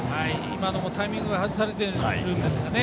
今のもタイミングは外されているんですがね。